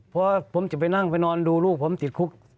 เพราะผมจะไปนั่งไปนอนดูลูกผมติดคุก